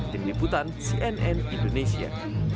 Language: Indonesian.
tim liputan cnn indonesia